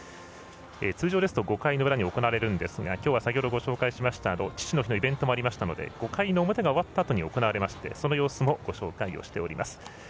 通常ですと５回裏に行われますが、きょうは父の日のイベントもありましたので５回の表が終わったあとに行われまして、その様子もご紹介をしております。